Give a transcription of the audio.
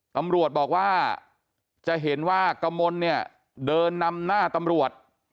ตำรวจบอกว่าจะเห็นว่ากมลเนี่ยเดินนำหน้าตำรวจ